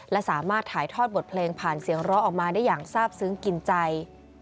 และสามารถถ่ายทอดบทเพลงผ่านเสียงร้องออกมาได้อย่างทราบซึ้งกินใจ